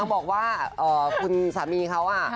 บอกว่าคุณสามีเขา